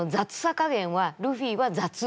加減はルフィは雑。